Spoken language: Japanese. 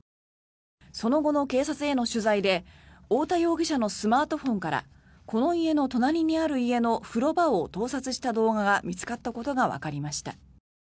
その後の警察への取材で太田容疑者のスマートフォンからこの家の隣にある家の風呂場を盗撮した動画が見つかったことがわかりました。